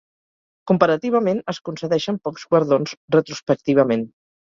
Comparativament, es concedeixen pocs guardons retrospectivament.